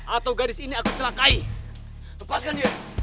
atau gadis ini aku celakai lepaskan dia